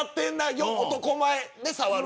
よっ、男前で触る。